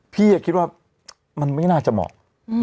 พี่คิดว่ามันไม่น่าจะเหมาะ